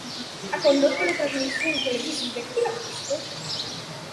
Ha condotto le trasmissioni televisive "Chi l'ha visto?